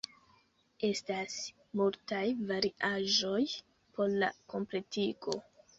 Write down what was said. Estas multaj variaĵoj por la kompletigo.